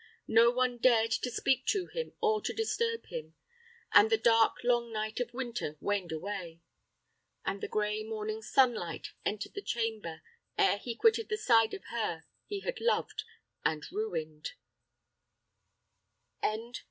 No one dared to speak to him or to disturb him; and the dark, long night of winter waned away, and the gray morning sunlight entered the chamber, ere he quitted the side of her he had loved and ruined.